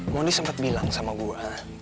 mondi sempat bilang sama gue